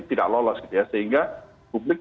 tidak lolos gitu ya sehingga publik